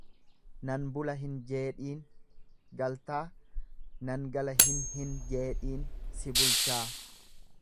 Nan bula hin jeedhiin galtaa, nan gala hin hin jeedhiin si bulchaa.